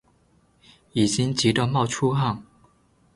已经急的冒出汗